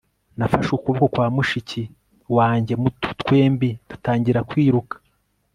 nafashe ukuboko kwa mushiki wanjye muto, twembi dutangira kwiruka